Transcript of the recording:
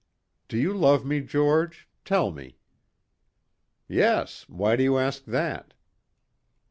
"Do you love me, George? Tell me." "Yes. Why do you ask that?"